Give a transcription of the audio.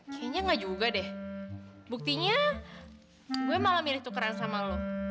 kayaknya nggak juga deh buktinya gua malah milih tukeran sama lu